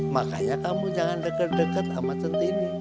makanya kamu jangan deket deket sama centini